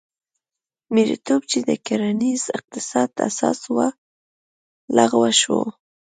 مریتوب چې د کرنیز اقتصاد اساس و لغوه شو.